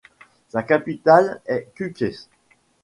Sa capitale est Kukës.